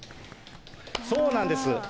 そうなんです。